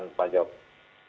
untuk mempermudah pemeriksaan